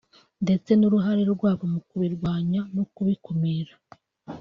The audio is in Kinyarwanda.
ndetse n’uruhare rwabo mu kubirwanya no kubikumira